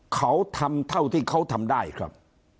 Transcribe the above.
เขาทำเท่าที่เขาทำได้ครับ